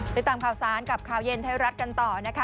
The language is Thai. ติดตามข่าวสารกับข่าวเย็นไทยรัฐกันต่อนะคะ